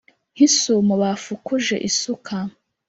nk’isumo bafukuje isuka